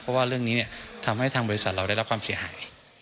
เพราะว่าเรื่องนี้ทำให้ทางบริษัทเราได้รับความเสียหาย